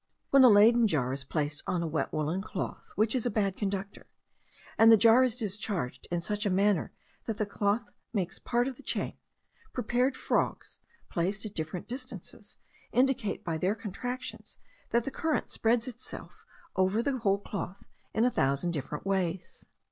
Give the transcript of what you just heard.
When a Leyden jar is placed on a wet woollen cloth (which is a bad conductor), and the jar is discharged in such a manner that the cloth makes part of the chain, prepared frogs, placed at different distances, indicate by their contractions that the current spreads itself over the whole cloth in a thousand different ways.